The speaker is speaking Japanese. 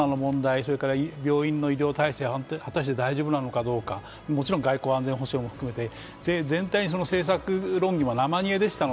それから病院の医療体制、果たして大丈夫なのか、もちろん外交安全保障も含めて全体に政策論議も生煮えでしたし